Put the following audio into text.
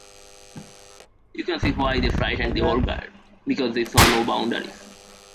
You can see why they frightened the old guard, because they saw no boundaries.